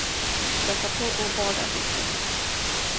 Le Repos au bord d'un ruisseau.